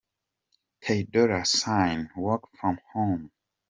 Ty Dolla $ign -- “Work From Home”.